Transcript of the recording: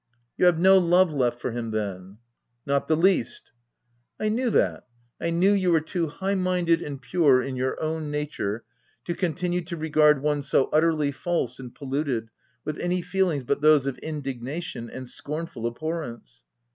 " You have no love left for him, then?" " Not the least." " I knew that — I knew you were too high minded and pure in your own nature to con tinue to regard one so utterly false and poluted, with any feelings but those of indignation and scornful abhorrence